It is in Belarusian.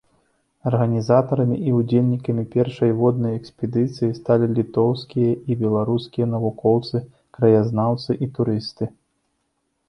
Арганізатарамі і ўдзельнікамі першай воднай экспедыцыі сталі літоўскія і беларускія навукоўцы, краязнаўцы і турысты.